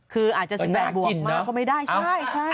คืออาจจะ๑๖บวกเป็นไรก็ไม่ได้ใช่